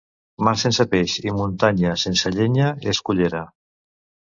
Mar sense peix i muntanya sense llenya, és Cullera.